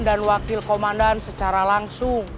dan wakil komandan secara langsung